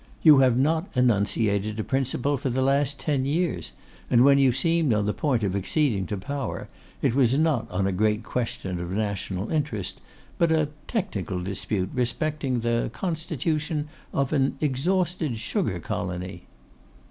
You have not enunciated a principle for the last ten years; and when you seemed on the point of acceding to power, it was not on a great question of national interest, but a technical dispute respecting the constitution of an exhausted sugar colony.